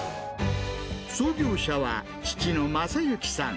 創業者は父の正幸さん。